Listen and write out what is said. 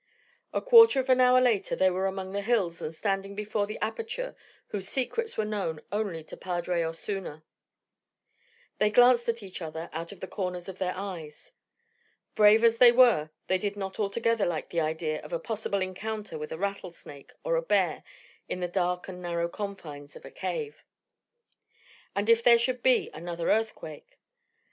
A quarter of an hour later they were among the hills and standing before the aperture whose secrets were known only to Padre Osuna. They glanced at each other out of the corners of their eyes. Brave as they were, they did not altogether like the idea of a possible encounter with a rattlesnake or a bear in the dark and narrow confines of a cave. And if there should be another earthquake!